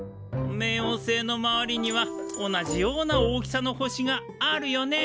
冥王星の周りには同じような大きさの星があるよね！